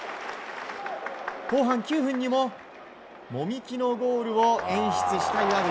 後半９分にも籾木のゴールを演出した岩渕。